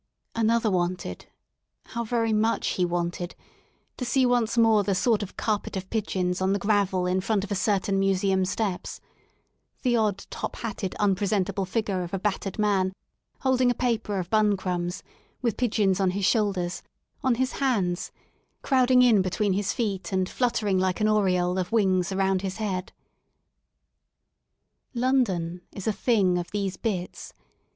Another wanted 28 FROM A DISTANCE — how very much he wanted I— to see once more the sort of carpet of pigeons on the gravel in front of a certain Museum steps ; the odd top hatted unpresentable figure of a battered man, holding a paper of bun crumbs, with pigeons on his shoulders, on his hands, crowding in between his feet and fluttering like an aureole of wings round his head. London is a thing of these " bits."